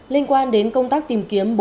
linh quan đến công tác tìm kiếm